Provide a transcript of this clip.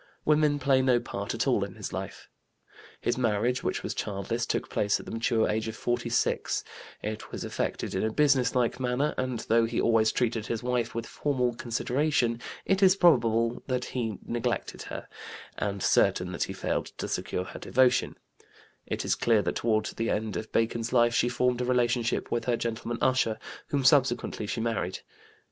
Women play no part at all in his life. His marriage, which was childless, took place at the mature age of 46; it was effected in a business like manner, and though he always treated his wife with formal consideration it is probable that he neglected her, and certain that he failed to secure her devotion; it is clear that toward the end of Bacon's life she formed a relationship with her gentleman usher, whom subsequently she married.